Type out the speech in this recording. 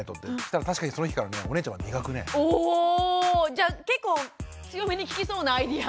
じゃあ結構強めに効きそうなアイデア。